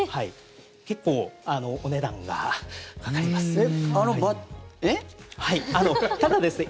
結構お値段がかかります。